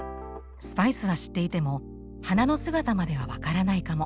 スパイスは知っていても花の姿までは分からないかも。